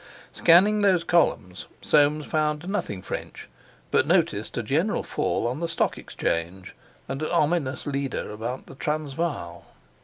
Scanning those columns, Soames found nothing French, but noticed a general fall on the Stock Exchange and an ominous leader about the Transvaal.